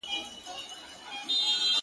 د سترگو اوښکي دي خوړلي گراني ,